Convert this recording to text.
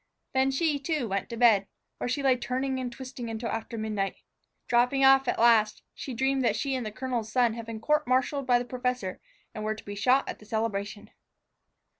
Then she, too, went to bed, where she lay turning and twisting until after midnight. Dropping off, at last, she dreamed that she and the colonel's son had been court martialed by the professor and were to be shot at the celebration.